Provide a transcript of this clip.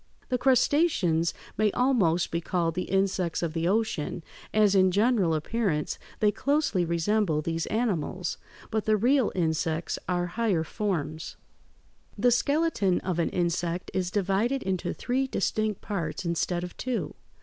The crustaceans may almost be called the insects of the ocean, as in general appearance they closely resemble these animals; but the real insects are higher forms. [Illustration: FIG. 154. Parts of a typical insect.] The skeleton (Fig. 154) of an insect is divided into three distinct parts instead of two.